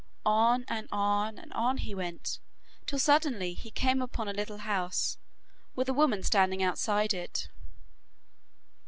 On and on and on he went, till suddenly he came upon a little house, with a woman standing outside it.